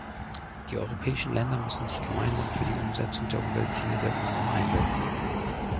Die europäischen Länder müssen sich gemeinsam für die Umsetzung der Umweltziele der Union einsetzen.